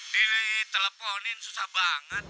diteleponin susah banget